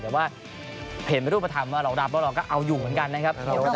แต่ว่าเห็นรูปธรรมว่าเรารับแล้วเราก็เอาอยู่เหมือนกันนะครับ